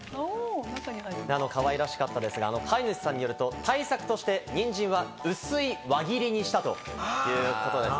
かわいらしかったですが、飼い主さんによると、対策としてニンジンは薄い輪切りにしたということです。